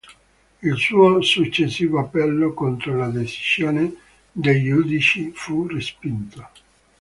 Il suo successivo appello contro la decisione dei giudici fu respinto.